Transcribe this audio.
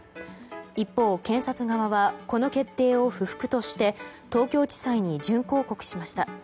一方、検察側はこの決定を不服として東京地裁に準抗告しました。